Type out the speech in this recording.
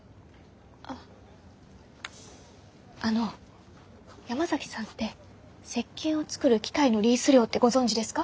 あっあの山崎さんって石鹸を作る機械のリース料ってご存じですか？